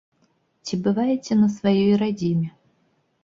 Ці бываеце на сваёй радзіме?